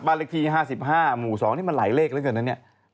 เลขที่๕๕หมู่๒นี่มันหลายเลขเหลือเกินนะเนี่ย